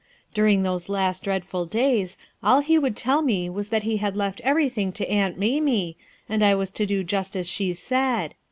During those last dreadful days, all he would tell me was that he had left everything to Aunt Mamie, and I was to do just as she said.